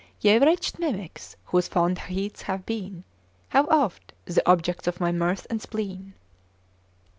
Ye wretched mimics, whose fond heats have been, How oft! the objects of my mirth and spleen.